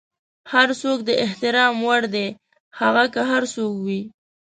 هر څوک د احترام وړ دی، هغه که هر څوک وي.